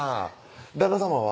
旦那さまは？